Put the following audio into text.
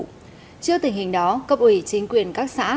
trước tình hình đó cấp ủy chính quyền các xã